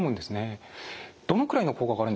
どのくらいの効果があるんでしょうか？